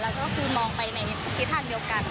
และก็เคยมองไปในคิดทางเดียวกัน